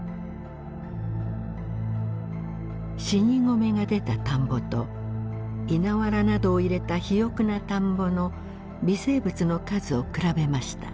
死に米が出た田んぼと稲わらなどを入れた肥沃な田んぼの微生物の数を比べました。